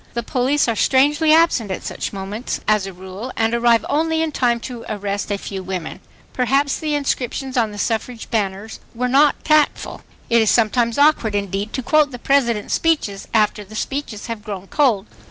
The police are strangely absent at such moments, as a rule, and arrive only in time to arrest a few women .... Perhaps the inscriptions on the suffrage banners were not tactful. It is sometimes awkward indeed to quote the President's speeches after the speeches have "grown cold."